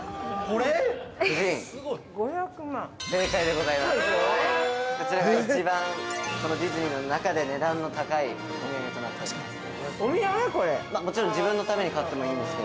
こちらが一番このディズニーの中で値段の高いお土産となっております。